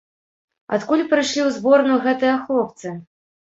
Адкуль прыйшлі ў зборную гэтыя хлопцы?